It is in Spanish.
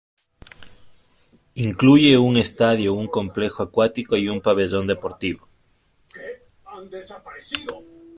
Incluye un estadio, un complejo acuático y un pabellón deportivo.